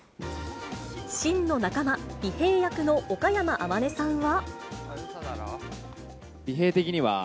信の仲間、尾平役の岡山天音さんは。